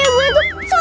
api gue tuh susah